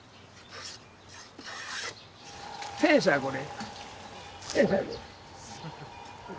戦車これ。